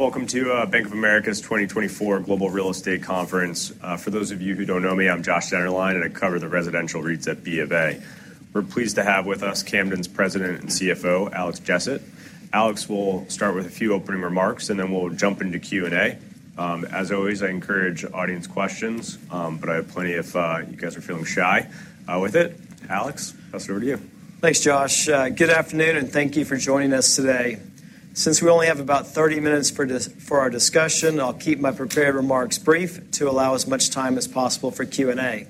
Welcome to Bank of America's 2024 Global Real Estate Conference. For those of you who don't know me, I'm Josh Dennerlein, and I cover the residential REITs at BofA. We're pleased to have with us Camden's President and CFO, Alex Jessett. Alex will start with a few opening remarks, and then we'll jump into Q&A. As always, I encourage audience questions, but I have plenty if you guys are feeling shy with it. Alex, I'll pass it over to you. Thanks, Josh. Good afternoon, and thank you for joining us today. Since we only have about 30 minutes for our discussion, I'll keep my prepared remarks brief to allow as much time as possible for Q&A.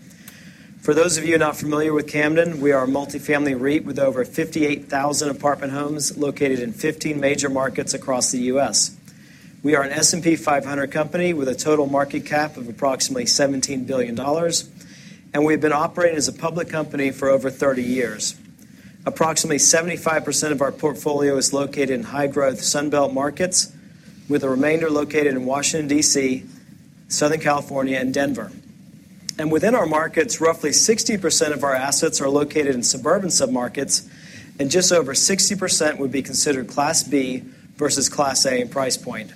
For those of you not familiar with Camden, we are a multifamily REIT with over 58,000 apartment homes located in 15 major markets across the U.S. We are an S&P 500 company with a total market cap of approximately $17 billion, and we've been operating as a public company for over 30 years. Approximately 75% of our portfolio is located in high-growth Sun Belt markets, with the remainder located in Washington, D.C., Southern California, and Denver. Within our markets, roughly 60% of our assets are located in suburban submarkets, and just over 60% would be considered Class B versus Class A in price point.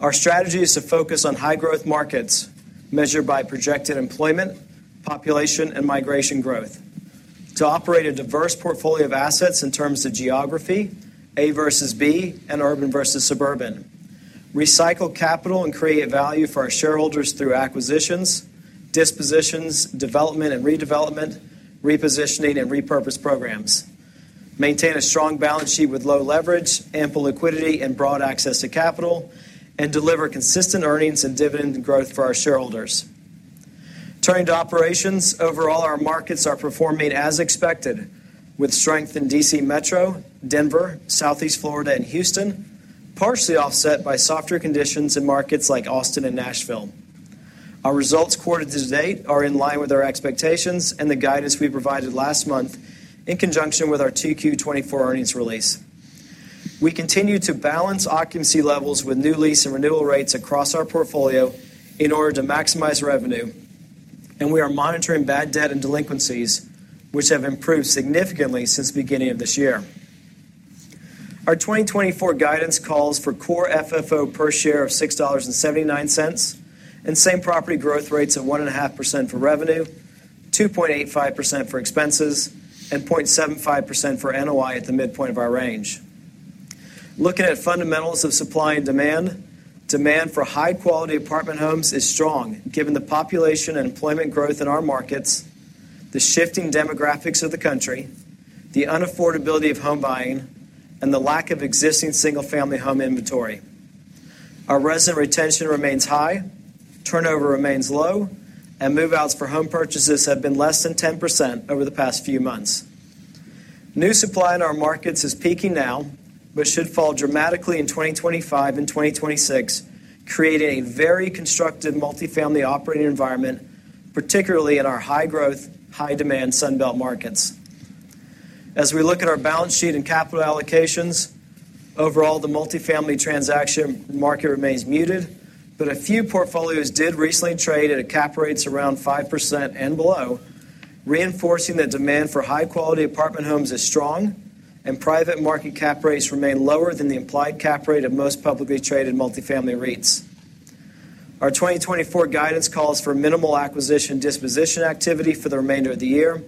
Our strategy is to focus on high-growth markets, measured by projected employment, population, and migration growth. To operate a diverse portfolio of assets in terms of geography, A versus B, and urban versus suburban. Recycle capital and create value for our shareholders through acquisitions, dispositions, development and redevelopment, repositioning, and repurposed programs. Maintain a strong balance sheet with low leverage, ample liquidity, and broad access to capital, and deliver consistent earnings and dividend growth for our shareholders. Turning to operations, overall, our markets are performing as expected, with strength in DC Metro, Denver, Southeast Florida, and Houston, partially offset by softer conditions in markets like Austin and Nashville. Our results quarter to date are in line with our expectations and the guidance we provided last month in conjunction with our 2Q 2024 earnings release. We continue to balance occupancy levels with new lease and renewal rates across our portfolio in order to maximize revenue, and we are monitoring bad debt and delinquencies, which have improved significantly since the beginning of this year. Our 2024 guidance calls for core FFO per share of $6.79, and same property growth rates of 1.5% for revenue, 2.85% for expenses, and 0.75% for NOI at the midpoint of our range. Looking at fundamentals of supply and demand, demand for high-quality apartment homes is strong, given the population and employment growth in our markets, the shifting demographics of the country, the unaffordability of home buying, and the lack of existing single-family home inventory. Our resident retention remains high, turnover remains low, and move-outs for home purchases have been less than 10% over the past few months. New supply in our markets is peaking now, but should fall dramatically in 2025 and 2026, creating a very constrained multifamily operating environment, particularly in our high-growth, high-demand Sun Belt markets. As we look at our balance sheet and capital allocations, overall, the multifamily transaction market remains muted, but a few portfolios did recently trade at cap rates around 5% and below, reinforcing that demand for high-quality apartment homes is strong and private market cap rates remain lower than the implied cap rate of most publicly traded multifamily REITs. Our 2024 guidance calls for minimal acquisition disposition activity for the remainder of the year,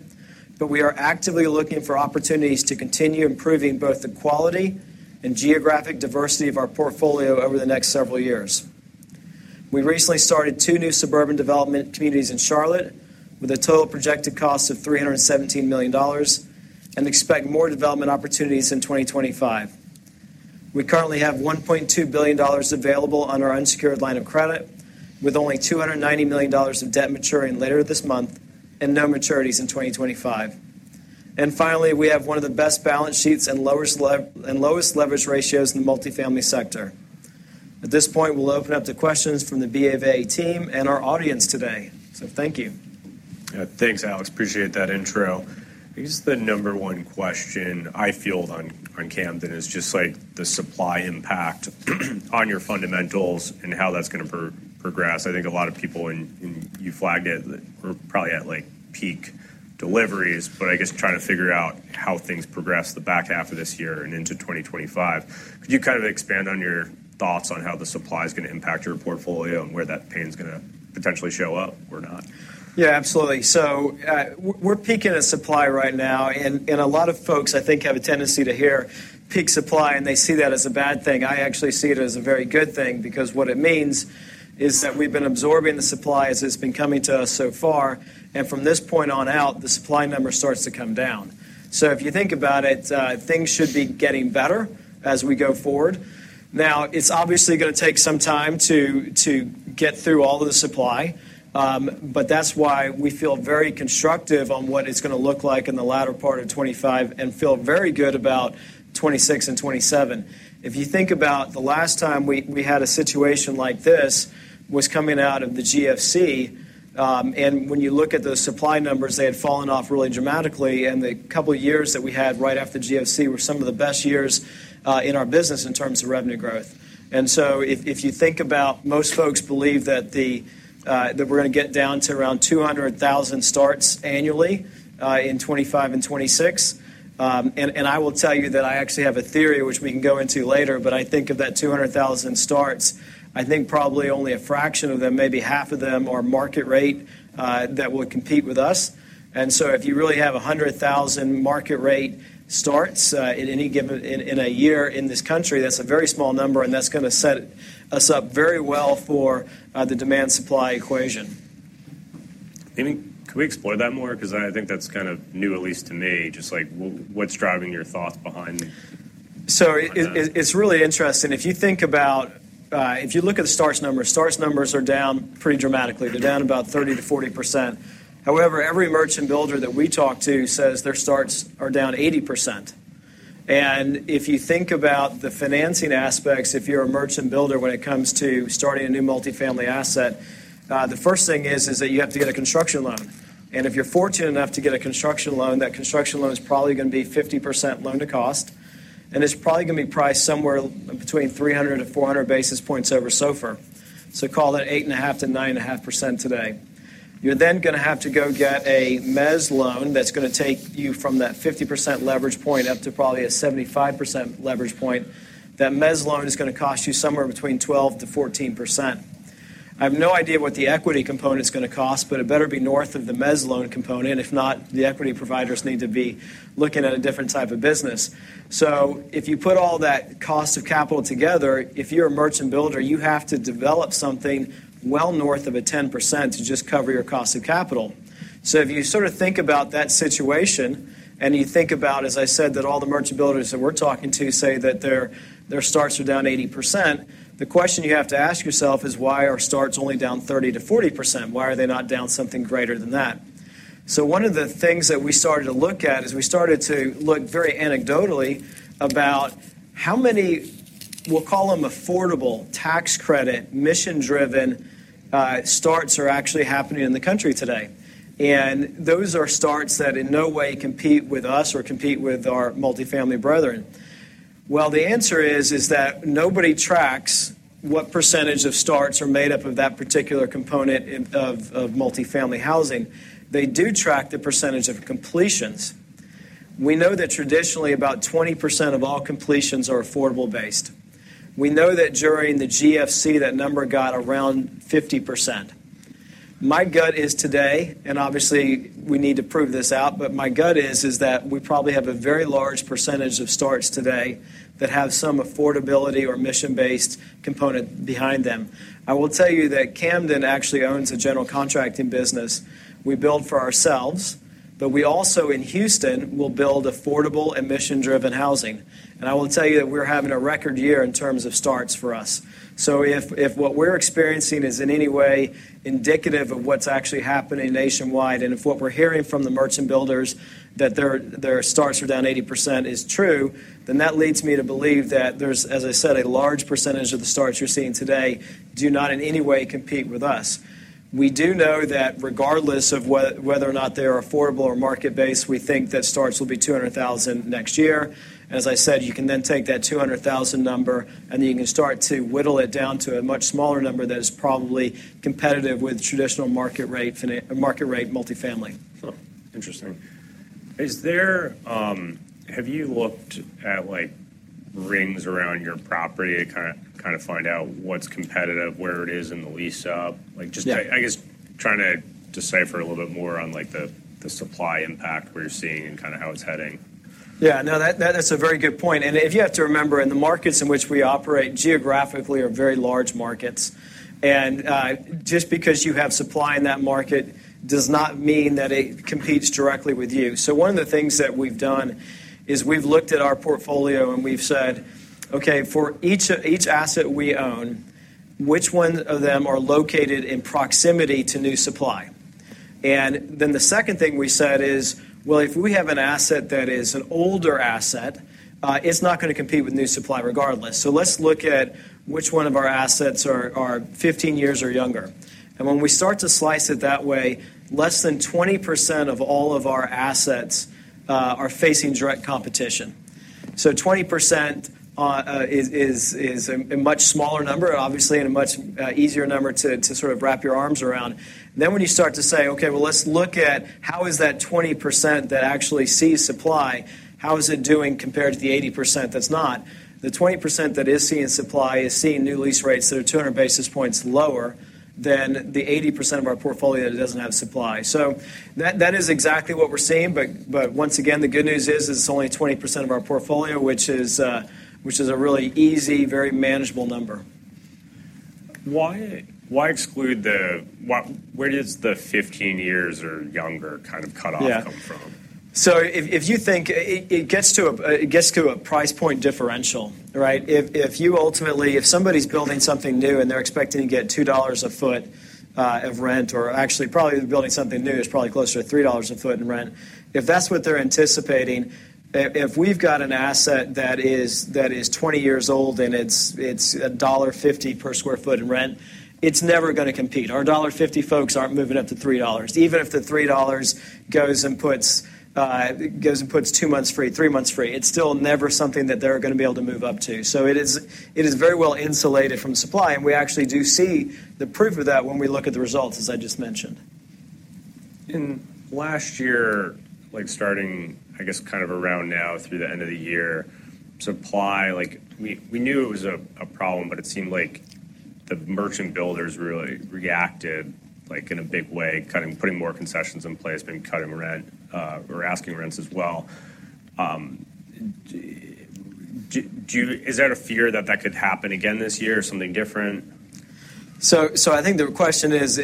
but we are actively looking for opportunities to continue improving both the quality and geographic diversity of our portfolio over the next several years. We recently started two new suburban development communities in Charlotte, with a total projected cost of $317 million, and expect more development opportunities in 2025. We currently have $1.2 billion available on our unsecured line of credit, with only $290 million of debt maturing later this month and no maturities in 2025. And finally, we have one of the best balance sheets and lowest leverage ratios in the multifamily sector. At this point, we'll open up to questions from the BofA team and our audience today, so thank you. Thanks, Alex. Appreciate that intro. I guess the number one question I field on Camden is just, like, the supply impact on your fundamentals and how that's gonna progress. I think a lot of people, and you flagged it, that we're probably at, like, peak deliveries, but I guess trying to figure out how things progress the back half of this year and into 2025. Could you kind of expand on your thoughts on how the supply is gonna impact your portfolio and where that pain's gonna potentially show up or not? Yeah, absolutely. So, we're peaking at supply right now, and a lot of folks, I think, have a tendency to hear peak supply, and they see that as a bad thing. I actually see it as a very good thing because what it means is that we've been absorbing the supply as it's been coming to us so far, and from this point on out, the supply number starts to come down. So if you think about it, things should be getting better as we go forward. Now, it's obviously gonna take some time to get through all of the supply, but that's why we feel very constructive on what it's gonna look like in the latter part of 2025 and feel very good about 2026 and 2027. If you think about the last time we had a situation like this, was coming out of the GFC, and when you look at the supply numbers, they had fallen off really dramatically, and the couple of years that we had right after the GFC were some of the best years in our business in terms of revenue growth. And so if you think about... Most folks believe that we're gonna get down to around 200,000 starts annually in 2025 and 2026. And I will tell you that I actually have a theory which we can go into later, but I think of that 200,000 starts, I think probably only a fraction of them, maybe half of them, are market rate that would compete with us. And so if you really have 100,000 market rate starts at any given time in a year in this country, that's a very small number, and that's gonna set us up very well for the demand-supply equation. Can you, can we explore that more? Because I think that's kind of new, at least to me. Just like, what, what's driving your thoughts behind that? So it's really interesting. If you think about. If you look at the starts numbers are down pretty dramatically. They're down about 30%-40%. However, every merchant builder that we talk to says their starts are down 80%. And if you think about the financing aspects, if you're a merchant builder, when it comes to starting a new multifamily asset, the first thing is that you have to get a construction loan. And if you're fortunate enough to get a construction loan, that construction loan is probably gonna be 50% loan to cost, and it's probably gonna be priced somewhere between 300 and 400 basis points over SOFR. So call it 8.5%-9.5% today. You're then gonna have to go get a mezz loan that's gonna take you from that 50% leverage point, up to probably a 75% leverage point. That mezz loan is gonna cost you somewhere between 12% to 14%. I have no idea what the equity component's gonna cost, but it better be north of the mezz loan component. If not, the equity providers need to be looking at a different type of business. So if you put all that cost of capital together, if you're a merchant builder, you have to develop something well north of 10% to just cover your cost of capital. So if you sort of think about that situation, and you think about, as I said, that all the merchant builders that we're talking to say that their starts are down 80%, the question you have to ask yourself is: Why are starts only down 30%-40%? Why are they not down something greater than that? So one of the things that we started to look at is we started to look very anecdotally about how many, we'll call them affordable tax credit, mission-driven starts are actually happening in the country today. And those are starts that in no way compete with us or compete with our multifamily brethren. Well, the answer is that nobody tracks what percentage of starts are made up of that particular component in of multifamily housing. They do track the percentage of completions. We know that traditionally, about 20% of all completions are affordable-based. We know that during the GFC, that number got around 50%. My gut is today, and obviously we need to prove this out, but my gut is, is that we probably have a very large percentage of starts today that have some affordability or mission-based component behind them. I will tell you that Camden actually owns a general contracting business. We build for ourselves, but we also, in Houston, will build affordable and mission-driven housing, and I will tell you that we're having a record year in terms of starts for us. If what we're experiencing is in any way indicative of what's actually happening nationwide, and if what we're hearing from the merchant builders that their starts are down 80% is true, then that leads me to believe that there's, as I said, a large percentage of the starts you're seeing today do not in any way compete with us. We do know that regardless of whether or not they are affordable or market-based, we think that starts will be 200,000 next year. As I said, you can then take that 200,000 number, and you can start to whittle it down to a much smaller number that is probably competitive with traditional market rate multifamily. Oh, interesting. Is there... Have you looked at, like, rings around your property to kind of find out what's competitive, where it is in the lease-up? Yeah. Like, just, I guess trying to decipher a little bit more on, like, the supply impact where you're seeing and kind of how it's heading. Yeah, no, that's a very good point, and if you have to remember, in the markets in which we operate geographically are very large markets, and just because you have supply in that market does not mean that it competes directly with you. So one of the things that we've done is we've looked at our portfolio, and we've said, "Okay, for each asset we own, which one of them are located in proximity to new supply?" And then the second thing we said is, "Well, if we have an asset that is an older asset, it's not gonna compete with new supply regardless. So let's look at which one of our assets are fifteen years or younger." And when we start to slice it that way, less than 20% of all of our assets are facing direct competition. 20% is a much smaller number, obviously, and a much easier number to sort of wrap your arms around. Then when you start to say, "Okay, well, let's look at how is that 20% that actually sees supply, how is it doing compared to the 80% that's not?" The 20% that is seeing supply is seeing new lease rates that are 200 basis points lower than the 80% of our portfolio that doesn't have supply. So that is exactly what we're seeing, but once again, the good news is, it's only 20% of our portfolio, which is a really easy, very manageable number. Why exclude the... Why, where does the fifteen years or younger kind of cut off- Yeah Come from? So if you think it gets to a price point differential, right? If you ultimately if somebody's building something new, and they're expecting to get $2 a foot of rent, or actually probably building something new, it's probably closer to $3 a foot in rent. If that's what they're anticipating, if we've got an asset that is 20 years old, and it's $1.50 per sq ft in rent, it's never gonna compete. Our $1.50 folks aren't moving up to $3, even if the $3 goes and puts two months free, three months free. It's still never something that they're gonna be able to move up to. So it is, it is very well insulated from supply, and we actually do see the proof of that when we look at the results, as I just mentioned. In last year, like starting, I guess kind of around now through the end of the year, supply, like we knew it was a problem, but it seemed like the merchant builders really reacted, like, in a big way, cutting, putting more concessions in place than cutting rent, or asking rents as well. Do you, is there a fear that that could happen again this year or something different? So I think the question is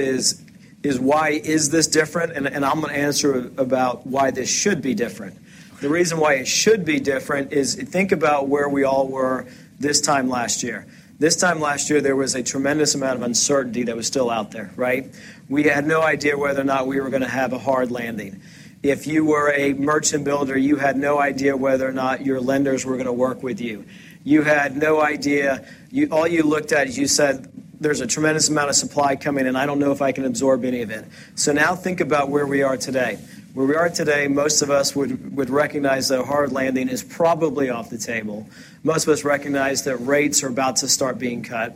why is this different? And I'm gonna answer about why this should be different. The reason why it should be different is, think about where we all were this time last year. This time last year, there was a tremendous amount of uncertainty that was still out there, right? We had no idea whether or not we were gonna have a hard landing. If you were a merchant builder, you had no idea whether or not your lenders were gonna work with you. You had no idea. All you looked at is you said, "There's a tremendous amount of supply coming in, I don't know if I can absorb any of it." So now think about where we are today. Where we are today, most of us would recognize that a hard landing is probably off the table. Most of us recognize that rates are about to start being cut.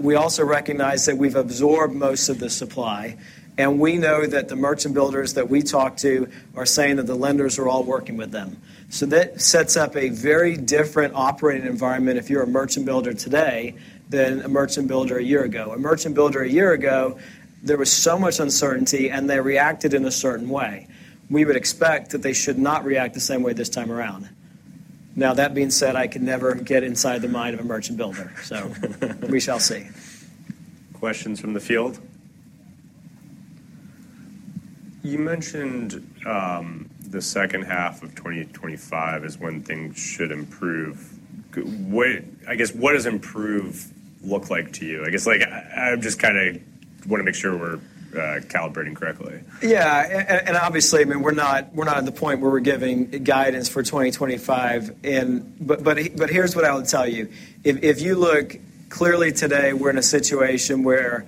We also recognize that we've absorbed most of the supply, and we know that the merchant builders that we talk to are saying that the lenders are all working with them. So that sets up a very different operating environment if you're a merchant builder today than a merchant builder a year ago. A merchant builder a year ago, there was so much uncertainty, and they reacted in a certain way. We would expect that they should not react the same way this time around. Now, that being said, I could never get inside the mind of a merchant builder, so we shall see. Questions from the field? You mentioned the second half of 2025 is when things should improve. What does improve look like to you? I guess, like, I just kinda wanna make sure we're calibrating correctly. Yeah, and obviously, I mean, we're not at the point where we're giving guidance for 2025, but here's what I would tell you. If you look, clearly today, we're in a situation where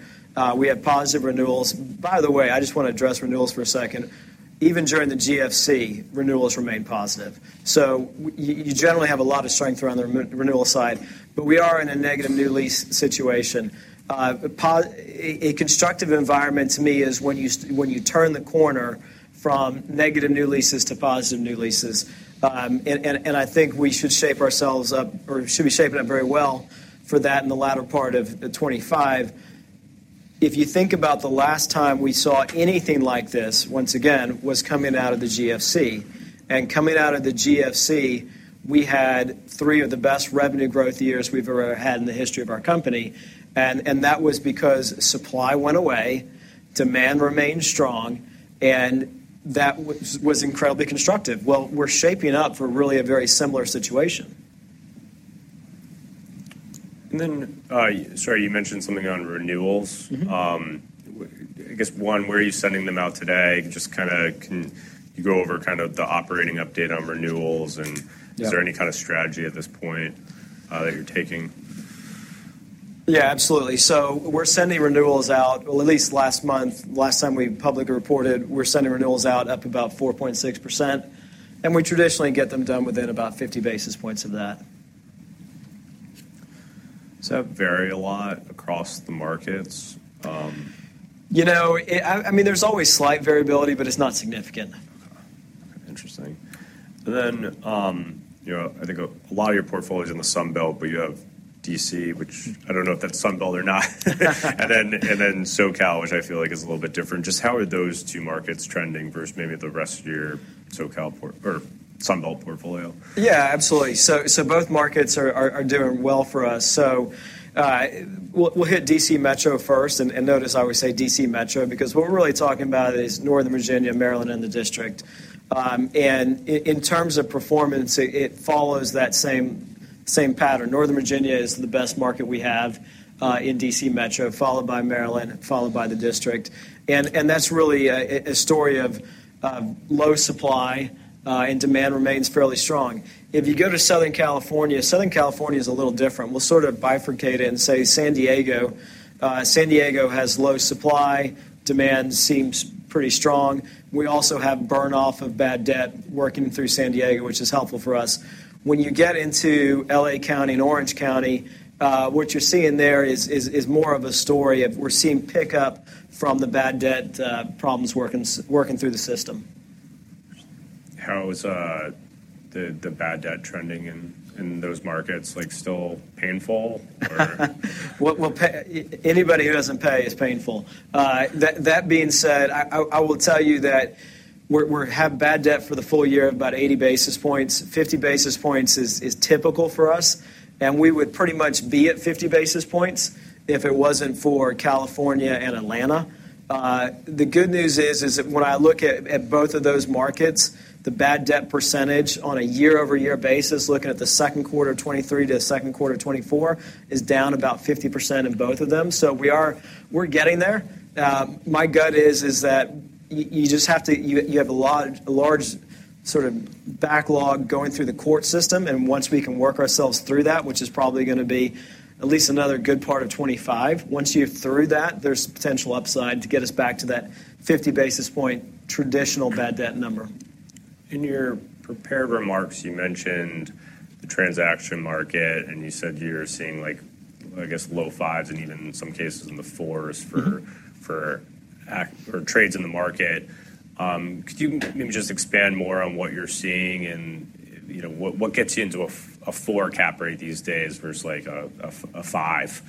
we have positive renewals. By the way, I just wanna address renewals for a second. Even during the GFC, renewals remained positive. You generally have a lot of strength around the renewal side, but we are in a negative new lease situation. A constructive environment to me is when you turn the corner from negative new leases to positive new leases, and I think we should shape ourselves up, or should be shaping up very well for that in the latter part of 2025. If you think about the last time we saw anything like this, once again, was coming out of the GFC, and coming out of the GFC, we had three of the best revenue growth years we've ever had in the history of our company, and that was because supply went away, demand remained strong, and that was incredibly constructive. We're shaping up for really a very similar situation. And then, sorry, you mentioned something on renewals. Mm-hmm. I guess one, where are you sending them out today? Just kinda, can you go over kind of the operating update on renewals, and- Yeah. Is there any kind of strategy at this point that you're taking? Yeah, absolutely. So we're sending renewals out, well, at least last month, last time we publicly reported, we're sending renewals out up about 4.6%, and we traditionally get them done within about 50 basis points of that. Does that vary a lot across the markets? You know, I mean, there's always slight variability, but it's not significant. Okay. Interesting. Then you know, I think a lot of your portfolio is in the Sun Belt, but you have DC, which I don't know if that's Sun Belt or not. And then SoCal, which I feel like is a little bit different. Just how are those two markets trending versus maybe the rest of your SoCal or Sun Belt portfolio? Yeah, absolutely. So both markets are doing well for us. So we'll hit DC Metro first, and notice I always say DC Metro, because what we're really talking about is Northern Virginia, Maryland, and the District. And in terms of performance, it follows that same pattern. Northern Virginia is the best market we have in DC Metro, followed by Maryland, followed by the District. And that's really a story of low supply, and demand remains fairly strong. If you go to Southern California, Southern California is a little different. We'll sort of bifurcate it and say San Diego. San Diego has low supply, demand seems pretty strong. We also have burn-off of bad debt working through San Diego, which is helpful for us. When you get into LA County and Orange County, what you're seeing there is more of a story of we're seeing pickup from the bad debt problems working through the system. How is the bad debt trending in those markets? Like, still painful, or- Anybody who doesn't pay is painful. That being said, I will tell you that we're have bad debt for the full year of about 80 basis points. 50 basis points is typical for us, and we would pretty much be at 50 basis points if it wasn't for California and Atlanta. The good news is that when I look at both of those markets, the bad debt percentage on a year-over-year basis, looking at the second quarter of 2023 to second quarter of 2024, is down about 50% in both of them. So we are getting there. My gut is that you just have to... You have a large sort of backlog going through the court system, and once we can work ourselves through that, which is probably gonna be at least another good part of 2025, once you're through that, there's potential upside to get us back to that 50 basis points traditional bad debt number. In your prepared remarks, you mentioned the transaction market, and you said you're seeing like, I guess, low fives and even in some cases in the fours. Mm-hmm. for actual or trades in the market. Could you maybe just expand more on what you're seeing and, you know, what gets you into a four cap rate these days versus like a five...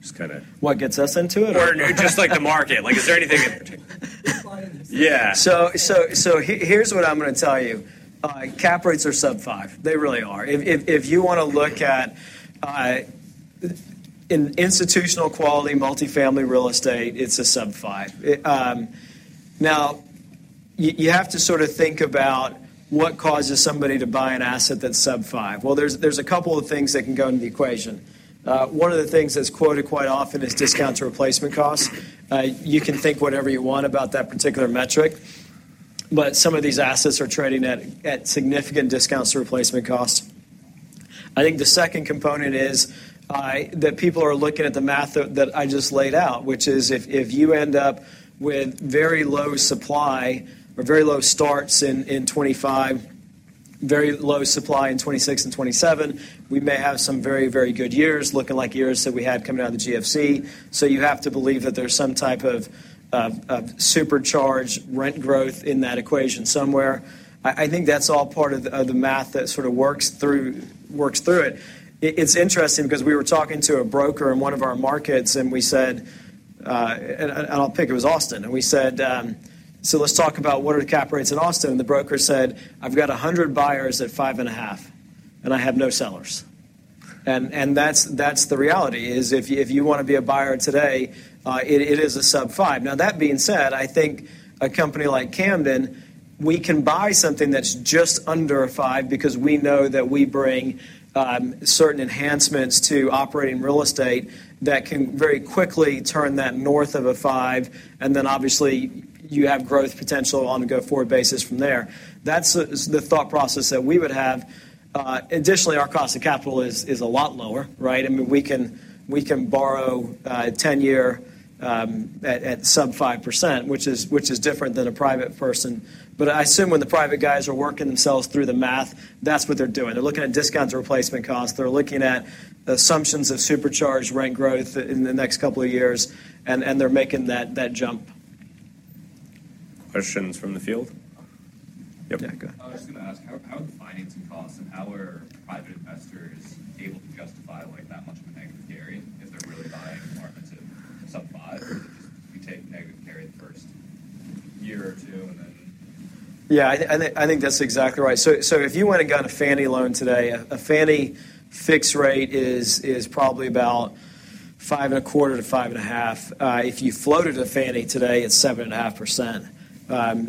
Just kind of- What gets us into it? Or just like the market. Like, is there anything in particular? Yeah. Here's what I'm gonna tell you. Cap rates are sub five. They really are. If you wanna look at in institutional quality, multifamily real estate, it's a sub five. Now, you have to sort of think about what causes somebody to buy an asset that's sub five. Well, there's a couple of things that can go into the equation. One of the things that's quoted quite often is discount to replacement costs. You can think whatever you want about that particular metric, but some of these assets are trading at significant discounts to replacement costs. I think the second component is that people are looking at the math that I just laid out, which is if you end up with very low supply or very low starts in 2025, very low supply in 2026 and 2027, we may have some very, very good years, looking like years that we had coming out of the GFC. So you have to believe that there's some type of supercharged rent growth in that equation somewhere. I think that's all part of the math that sort of works through it. It's interesting because we were talking to a broker in one of our markets, and we said... I think it was Austin, and we said, "So let's talk about what are the cap rates in Austin?" And the broker said, "I've got a hundred buyers at five and a half, and I have no sellers." And that's the reality: if you want to be a buyer today, it is a sub five. Now, that being said, I think a company like Camden can buy something that's just under a five because we know that we bring certain enhancements to operating real estate that can very quickly turn that north of a five, and then obviously, you have growth potential on a go-forward basis from there. That's the thought process that we would have. Additionally, our cost of capital is a lot lower, right? I mean, we can borrow 10-year at sub 5%, which is different than a private person. But I assume when the private guys are working themselves through the math, that's what they're doing. They're looking at discount to replacement costs, they're looking at the assumptions of supercharged rent growth in the next couple of years, and they're making that jump. Questions from the field? Yep.Yeah, go. I was just gonna ask, how are the financing costs and how are private investors able to justify, like, that much of a negative carry if they're really buying in markets of sub five? You take negative carry the first year or two, and then- Yeah, I think that's exactly right. So if you went and got a Fannie loan today, a Fannie fixed rate is probably about 5.25%-5.5%. If you floated a Fannie today, it's 7.5%.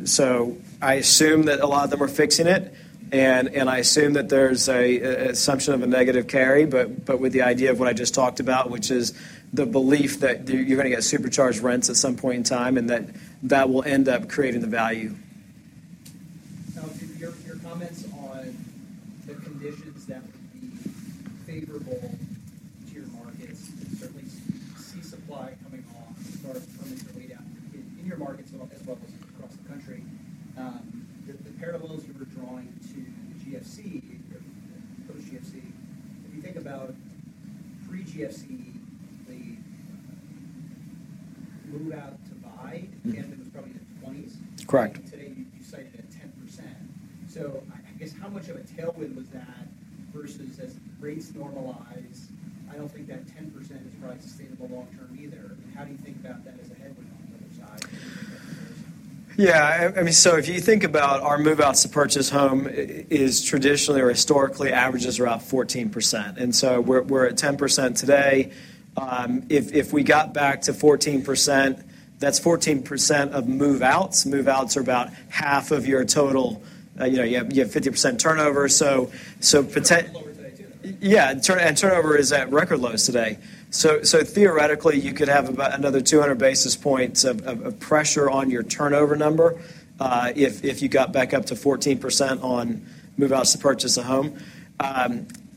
So I assume that a lot of them are fixing it, and I assume that there's an assumption of a negative carry, but with the idea of what I just talked about, which is the belief that you're gonna get supercharged rents at some point in time, and that will end up creating the value. Now, your comments on the conditions that would be favorable to your markets, certainly see supply coming off or coming way down in your markets as well as across the country. The parallels you were drawing to GFC, post GFC, if you think about pre-GFC, the move out to buy, and it was probably the twenties. Correct. Today, you cited at 10%. So I guess how much of a tailwind was that versus as rates normalize? I don't think that 10% is probably sustainable long term either. How do you think about that as a headwind on the other side? Yeah, I mean, so if you think about our move-outs to purchase home, is traditionally or historically averages around 14%, and so we're at 10% today. If we got back to 14%, that's 14% of move-outs. Move-outs are about half of your total. You know, you have 50% turnover, so poten- Lower today, too. Yeah, and turnover is at record lows today. So theoretically, you could have about another 200 basis points of pressure on your turnover number, if you got back up to 14% on move-outs to purchase a home.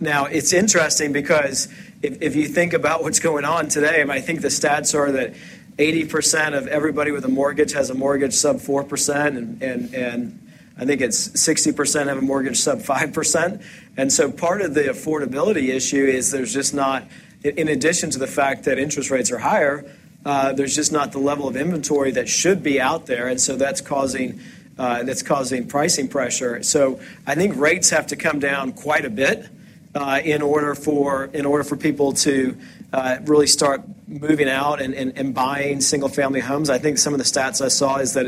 Now, it's interesting because if you think about what's going on today, and I think the stats are that 80% of everybody with a mortgage has a mortgage sub 4%, and I think it's 60% have a mortgage sub 5%. And so part of the affordability issue is there's just not— In addition to the fact that interest rates are higher, there's just not the level of inventory that should be out there, and so that's causing pricing pressure. So I think rates have to come down quite a bit in order for people to really start moving out and buying single-family homes. I think some of the stats I saw is that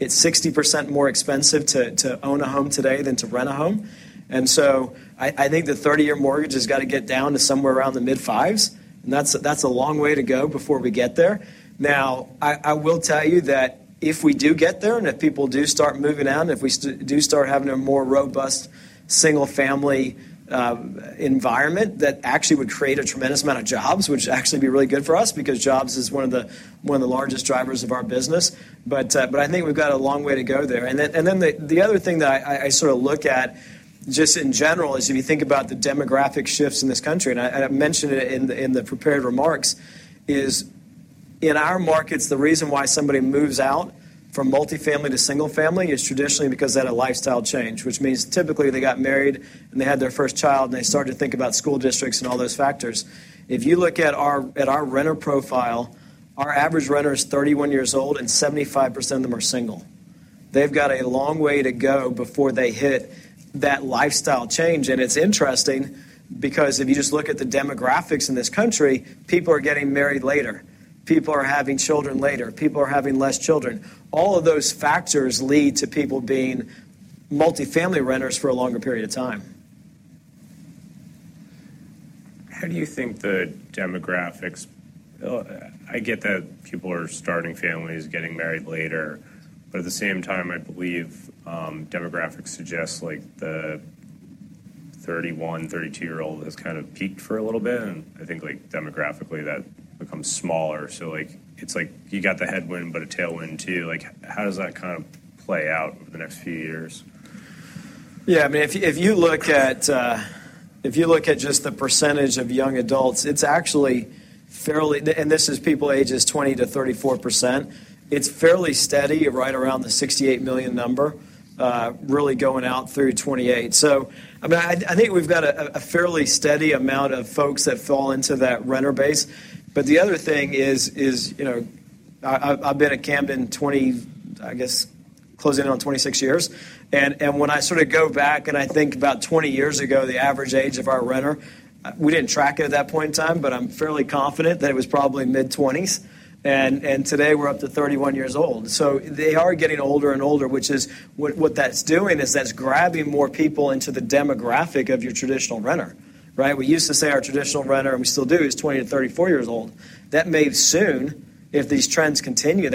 it's 60% more expensive to own a home today than to rent a home. And so I think the 30-year mortgage has got to get down to somewhere around the mid-fives, and that's a long way to go before we get there. Now, I will tell you that if we do get there, and if people do start moving out, and if we do start having a more robust single-family environment, that actually would create a tremendous amount of jobs, which would actually be really good for us because jobs is one of the largest drivers of our business. But I think we've got a long way to go there. The other thing that I sort of look at just in general is if you think about the demographic shifts in this country, and I mentioned it in the prepared remarks, is in our markets, the reason why somebody moves out from multifamily to single-family is traditionally because they had a lifestyle change, which means typically they got married, and they had their first child, and they started to think about school districts and all those factors. If you look at our renter profile, our average renter is 31 years old, and 75% of them are single. They've got a long way to go before they hit that lifestyle change. It's interesting because if you just look at the demographics in this country, people are getting married later, people are having children later, people are having less children. All of those factors lead to people being multifamily renters for a longer period of time. How do you think the demographics? I get that people are starting families, getting married later, but at the same time, I believe, demographics suggest, like, the 31, 32-year-old has kind of peaked for a little bit, and I think, like, demographically, that becomes smaller. So, like, it's like you got the headwind but a tailwind too. Like, how does that kind of play out over the next few years? Yeah, I mean, if you look at just the percentage of young adults, it's actually fairly steady, and this is people ages 20 to 34 percent. It's fairly steady, right around the 68 million number, really going out through 2028. So I mean, I think we've got a fairly steady amount of folks that fall into that renter base. But the other thing is, you know, I've been at Camden 20, I guess, closing in on 26 years, and when I sort of go back and I think about 20 years ago, the average age of our renter, we didn't track it at that point in time, but I'm fairly confident that it was probably mid-20s, and today we're up to 31 years old. So they are getting older and older, which is what that's doing is that's grabbing more people into the demographic of your traditional renter, right? We used to say our traditional renter, and we still do, is 20 to 34 years old. That may soon, if these trends continue,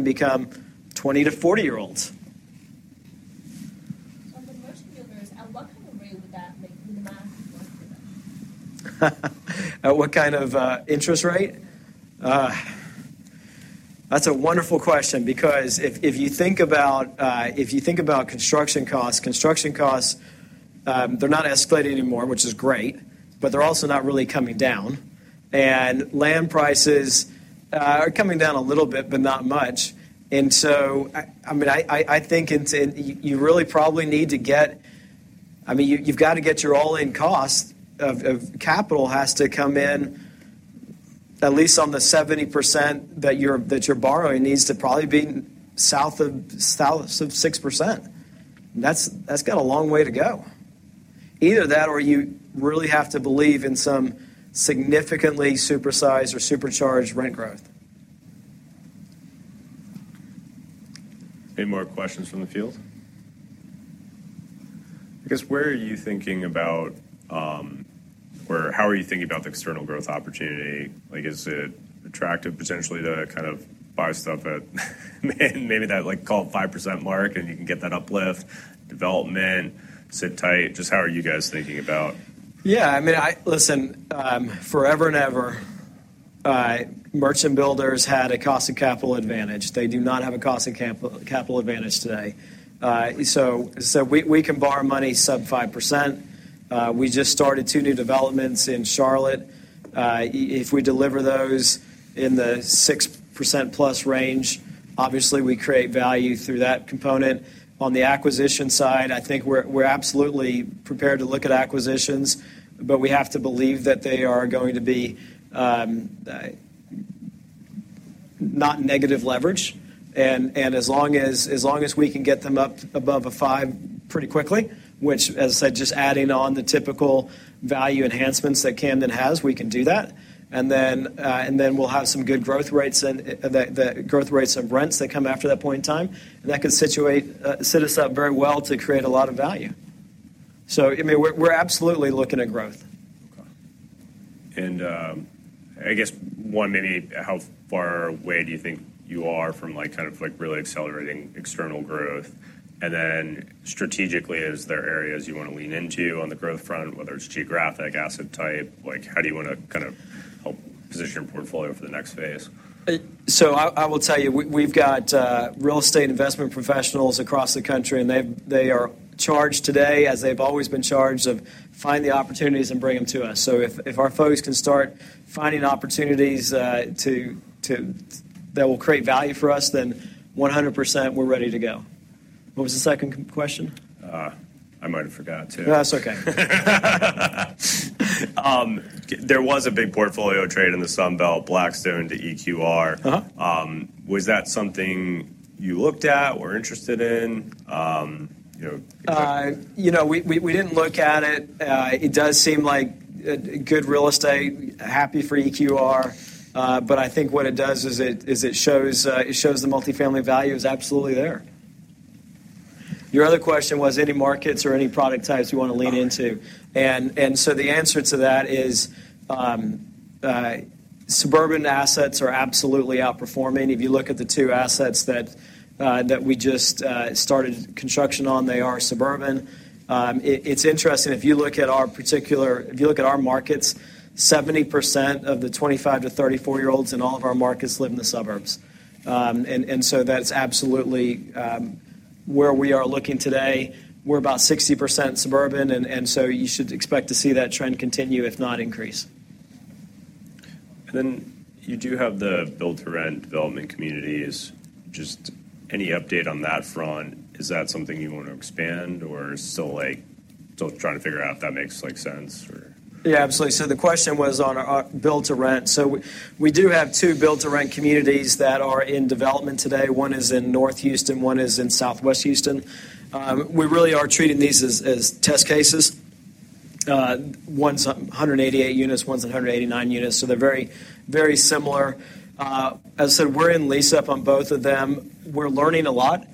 become 20 to 40-year-olds. For the merchant builders, at what kind of rate would that make the math work for them? At what kind of interest rate? That's a wonderful question because if you think about construction costs, they're not escalating anymore, which is great, but they're also not really coming down. And land prices are coming down a little bit, but not much. And so, I mean, I think it's you really probably need to get. I mean, you've got to get your all-in cost of capital has to come in at least on the 70% that you're borrowing, needs to probably be south of 6%. That's got a long way to go. Either that or you really have to believe in some significantly supersized or supercharged rent growth. Any more questions from the field? I guess, where are you thinking about, or how are you thinking about the external growth opportunity? Like, is it attractive potentially to kind of buy stuff at maybe that, like, call it 5% mark, and you can get that uplift, development, sit tight? Just how are you guys thinking about. Yeah, I mean, listen, forever and ever, merchant builders had a cost of capital advantage. They do not have a cost of capital advantage today. So, we can borrow money sub 5%. We just started two new developments in Charlotte. If we deliver those in the 6%+ range, obviously, we create value through that component. On the acquisition side, I think we're absolutely prepared to look at acquisitions, but we have to believe that they are going to be not negative leverage. And as long as we can get them up above a 5 pretty quickly, which, as I said, just adding on the typical value enhancements that Camden has, we can do that. And then we'll have some good growth rates and the growth rates of rents that come after that point in time, and that could set us up very well to create a lot of value. So I mean, we're absolutely looking at growth. Okay. And, I guess, one, maybe how far away do you think you are from, like, kind of, like, really accelerating external growth? And then strategically, is there areas you want to lean into on the growth front, whether it's geographic, asset type, like, how do you want to kind of help position your portfolio for the next phase? So I will tell you, we've got real estate investment professionals across the country, and they are charged today, as they've always been charged, of find the opportunities and bring them to us. So if our folks can start finding opportunities that will create value for us, then 100%, we're ready to go. What was the second question? I might have forgot too. No, that's okay. There was a big portfolio trade in the Sun Belt, Blackstone to EQR. Uh-huh. Was that something you looked at or interested in, you know- You know, we didn't look at it. It does seem like a good real estate. Happy for EQR, but I think what it does is it shows the multifamily value is absolutely there. Your other question was any markets or any product types you want to lean into. Right. So the answer to that is, suburban assets are absolutely outperforming. If you look at the two assets that we just started construction on, they are suburban. It's interesting. If you look at our markets, 70% of the 25- to 34-year-olds in all of our markets live in the suburbs. And so that's absolutely where we are looking today. We're about 60% suburban, and so you should expect to see that trend continue, if not increase. And then you do have the build-to-rent development community. Any update on that front, is that something you want to expand or still trying to figure out if that makes, like, sense or? Yeah, absolutely, so the question was on our build-to-rent. So we do have two build-to-rent communities that are in development today. One is in North Houston, one is in Southwest Houston. We really are treating these as test cases. One's 188 units, one's 189 units, so they're very similar. As I said, we're in lease-up on both of them. We're learning a lot.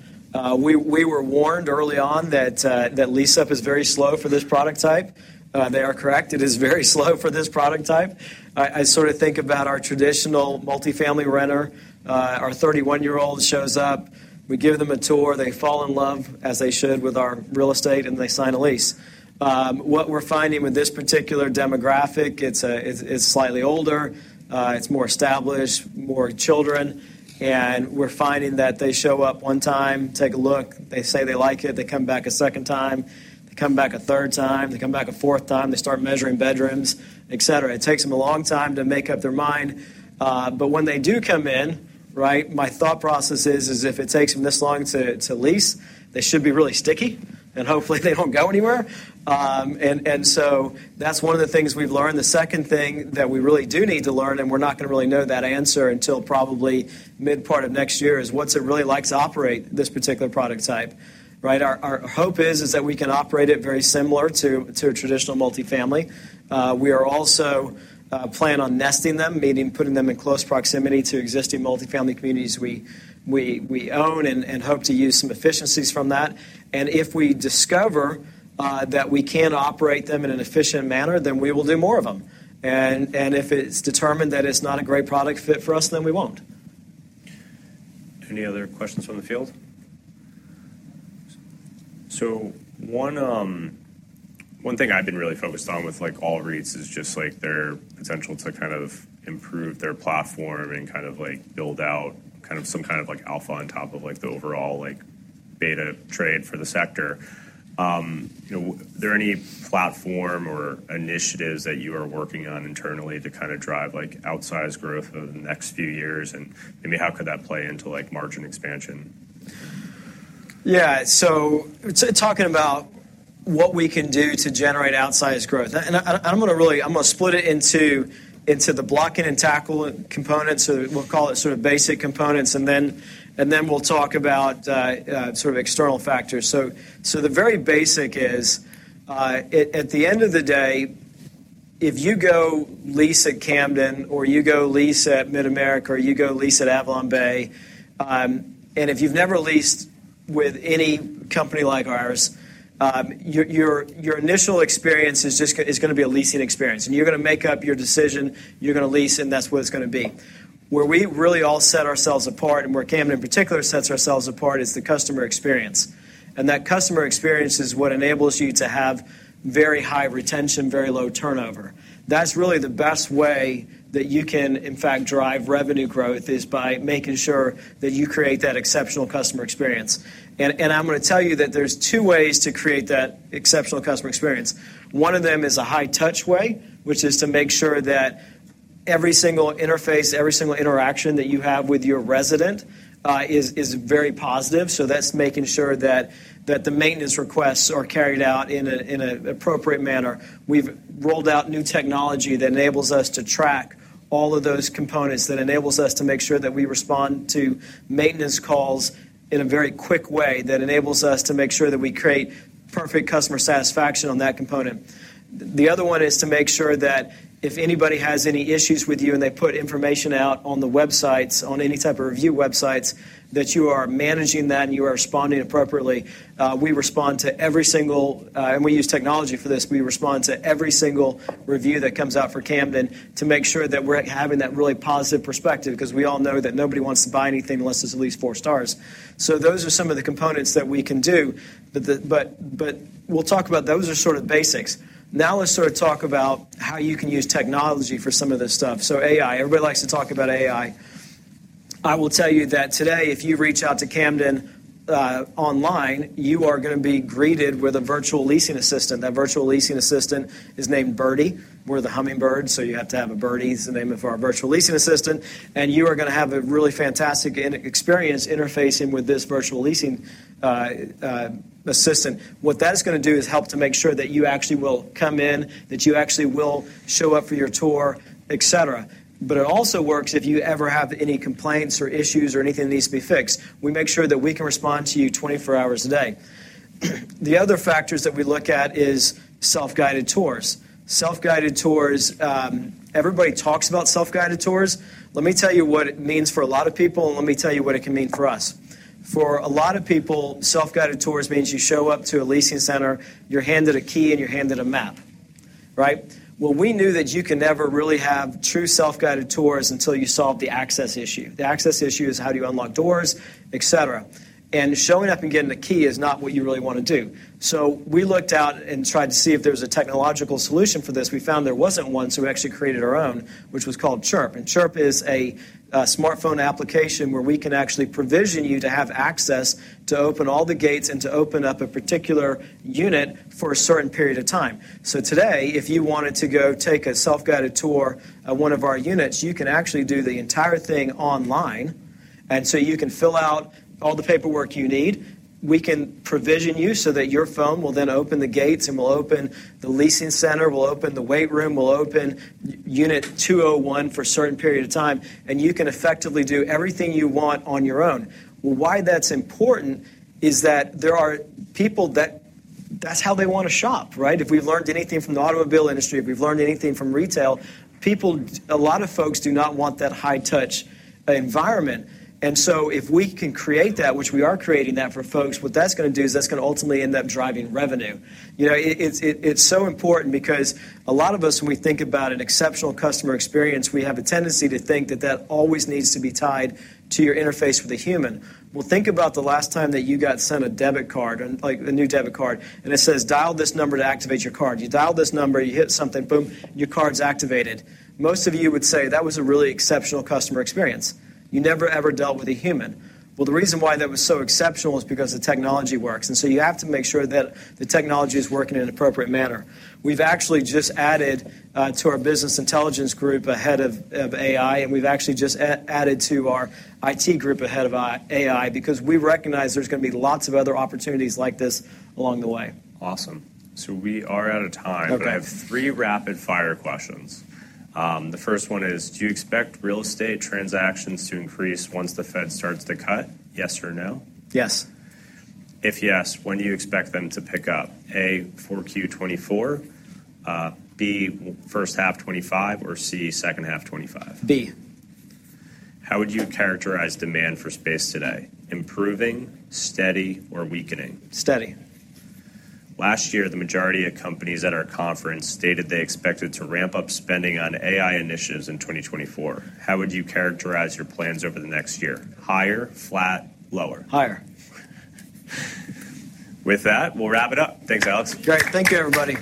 We were warned early on that lease-up is very slow for this product type. They are correct. It is very slow for this product type. I sort of think about our traditional multifamily renter. Our 31-year-old shows up, we give them a tour, they fall in love, as they should, with our real estate, and they sign a lease. What we're finding with this particular demographic, it's slightly older, it's more established, more children, and we're finding that they show up one time, take a look, they say they like it, they come back a second time, they come back a third time, they come back a fourth time, they start measuring bedrooms, et cetera. It takes them a long time to make up their mind. But when they do come in, right, my thought process is if it takes them this long to lease, they should be really sticky, and hopefully, they don't go anywhere. And so that's one of the things we've learned. The second thing that we really do need to learn, and we're not gonna really know that answer until probably mid part of next year, is what's it really like to operate this particular product type, right? Our hope is that we can operate it very similar to a traditional multifamily. We are also plan on nesting them, meaning putting them in close proximity to existing multifamily communities we own, and hope to use some efficiencies from that, and if we discover that we can't operate them in an efficient manner, then we will do more of them, and if it's determined that it's not a great product fit for us, then we won't. Any other questions from the field? So one thing I've been really focused on with, like, all REITs is just, like, their potential to kind of improve their platform and kind of, like, build out kind of some kind of, like, alpha on top of, like, the overall, like, beta trade for the sector. You know, are there any platform or initiatives that you are working on internally to kind of drive, like, outsized growth over the next few years? And, I mean, how could that play into, like, margin expansion? Yeah. So talking about what we can do to generate outsized growth, and I'm gonna really split it into the block and tackle components, so we'll call it sort of basic components, and then we'll talk about sort of external factors. So the very basic is at the end of the day, if you go lease at Camden, or you go lease at Mid-America, or you go lease at AvalonBay, and if you've never leased with any company like ours, your initial experience is just gonna be a leasing experience, and you're gonna make up your decision, you're gonna lease, and that's what it's gonna be. Where we really all set ourselves apart, and where Camden, in particular, sets ourselves apart, is the customer experience. And that customer experience is what enables you to have very high retention, very low turnover. That's really the best way that you can, in fact, drive revenue growth, is by making sure that you create that exceptional customer experience. And I'm gonna tell you that there's two ways to create that exceptional customer experience. One of them is a high-touch way, which is to make sure that every single interface, every single interaction that you have with your resident is very positive. So that's making sure that the maintenance requests are carried out in an appropriate manner. We've rolled out new technology that enables us to track all of those components, that enables us to make sure that we respond to maintenance calls in a very quick way, that enables us to make sure that we create perfect customer satisfaction on that component. The other one is to make sure that if anybody has any issues with you, and they put information out on the websites, on any type of review websites, that you are managing that, and you are responding appropriately. We use technology for this. We respond to every single review that comes out for Camden to make sure that we're having that really positive perspective, 'cause we all know that nobody wants to buy anything unless there's at least four stars. So those are some of the components that we can do, but we'll talk about. Those are sort of basics. Now, let's sort of talk about how you can use technology for some of this stuff. So AI, everybody likes to talk about AI. I will tell you that today, if you reach out to Camden online, you are gonna be greeted with a virtual leasing assistant. That virtual leasing assistant is named Birdie. We're the hummingbirds, so you have to have a Birdie, is the name of our virtual leasing assistant, and you are gonna have a really fantastic experience interfacing with this virtual leasing assistant. What that's gonna do is help to make sure that you actually will come in, that you actually will show up for your tour, et cetera. But it also works if you ever have any complaints or issues or anything that needs to be fixed. We make sure that we can respond to you twenty-four hours a day. The other factors that we look at is self-guided tours. Self-guided tours, everybody talks about self-guided tours. Let me tell you what it means for a lot of people, and let me tell you what it can mean for us. For a lot of people, self-guided tours means you show up to a leasing center, you're handed a key, and you're handed a map, right? Well, we knew that you can never really have true self-guided tours until you solve the access issue. The access issue is: how do you unlock doors, et cetera? And showing up and getting a key is not what you really wanna do. So we looked out and tried to see if there was a technological solution for this. We found there wasn't one, so we actually created our own, which was called Chirp. Chirp is a smartphone application where we can actually provision you to have access to open all the gates and to open up a particular unit for a certain period of time. Today, if you wanted to go take a self-guided tour at one of our units, you can actually do the entire thing online. You can fill out all the paperwork you need. We can provision you so that your phone will then open the gates, and will open the leasing center, will open the weight room, will open unit 201 for a certain period of time, and you can effectively do everything you want on your own. Why that's important is that there are people that... that's how they wanna shop, right? If we've learned anything from the automobile industry, if we've learned anything from retail, people - a lot of folks do not want that high-touch environment. And so if we can create that, which we are creating that for folks, what that's gonna do is that's gonna ultimately end up driving revenue. You know, it's so important because a lot of us, when we think about an exceptional customer experience, we have a tendency to think that that always needs to be tied to your interface with a human. Think about the last time that you got sent a debit card and, like, a new debit card, and it says, "Dial this number to activate your card." You dial this number, you hit something, boom! Your card's activated. Most of you would say that was a really exceptional customer experience. You never, ever dealt with a human. Well, the reason why that was so exceptional is because the technology works, and so you have to make sure that the technology is working in an appropriate manner. We've actually just added to our business intelligence group, a head of AI, and we've actually just added to our IT group, a head of AI, because we recognize there's gonna be lots of other opportunities like this along the way. Awesome. So we are out of time. Okay. But I have three rapid-fire questions. The first one is: Do you expect real estate transactions to increase once the Fed starts to cut? Yes or no? Yes. If yes, when do you expect them to pick up? A, for Q4, B, first half 2025, or C, second half 2025. B. How would you characterize demand for space today? Improving, steady, or weakening? Steady. Last year, the majority of companies at our conference stated they expected to ramp up spending on AI initiatives in 2024. How would you characterize your plans over the next year? Higher, flat, lower? Higher. With that, we'll wrap it up. Thanks, Alex. Great. Thank you, everybody.